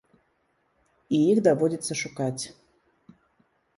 І іх даводзіцца шукаць.